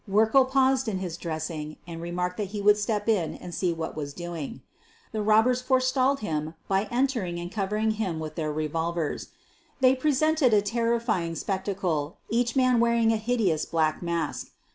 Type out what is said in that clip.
Werkle paused in his dressing and remarked that he would step in and see what was doing. The robbers forestalled him by entering and cov ering him with their revolvers. They presented a terrifying spectacle, each man wearing a hideous black mask.